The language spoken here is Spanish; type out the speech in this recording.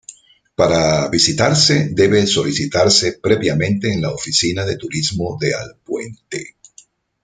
Para visitarse debe solicitarse previamente en la oficina de turismo de Alpuente.